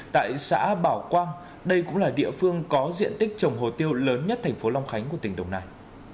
tại xã bảo quang đây cũng là địa phương có diện tích trồng hồ tiêu lớn nhất thành phố long khánh của tỉnh đồng nai